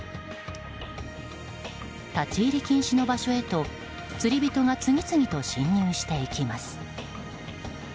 立ち入り禁止の場所へと釣り人が次々と侵入していきます。